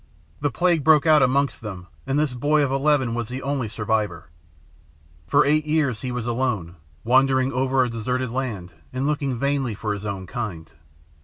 The plague broke out amongst them, and this boy of eleven was the only survivor. For eight years he was alone, wandering over a deserted land and looking vainly for his own kind.